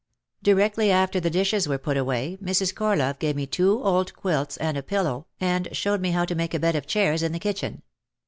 Directly after the dishes were put away Mrs. Cor love gave me two old quilts and a pillow and showed me how to make a bed of chairs in the kitchen.